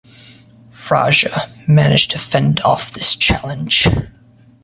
Fraser managed to fend off this challenge.